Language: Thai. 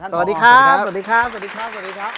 สวัสดีครับ